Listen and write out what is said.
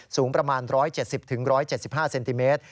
ถึง๑๗๕เซนติเมตร